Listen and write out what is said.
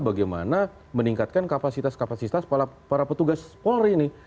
bagaimana meningkatkan kapasitas kapasitas para petugas polri ini